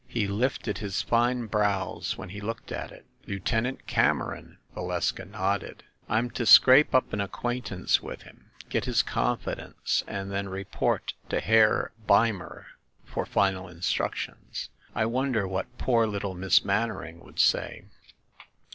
He lifted his fine brows when he looked at it. "Lieutenant Cameron !" Valeska nodded. "I'm to scrape up an acquaintance with him, get his confidence, and then report to Herr Beimer for final instructions. I wonder what poor lit tle Miss Mannering would say?"